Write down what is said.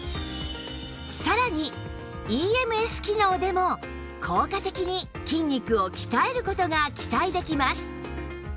さらに ＥＭＳ 機能でも効果的に筋肉を鍛える事が期待できます